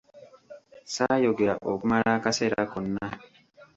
Saayogera okumala akaseera konna.